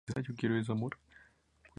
Ella posee un rol en la serie "Endgame".